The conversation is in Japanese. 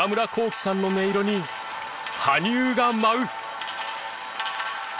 己さんの音色に羽生が舞う！